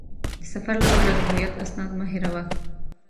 د سفر لپاره د هویت اسناد مه هېروه.